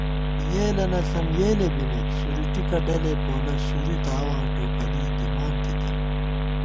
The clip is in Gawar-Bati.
یېلَنہ ݪم یېلےبِمېت، سورِٹکہ ڈلےپولہ سُوری تاواں ٹوپَلی دِمان تِتہ